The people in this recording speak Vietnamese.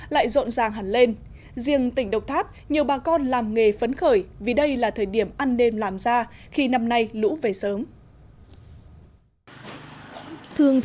lại rộn ràng